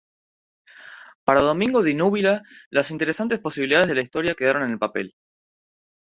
Para Domingo Di Núbila “las interesantes posibilidades de la historia quedaron en el papel.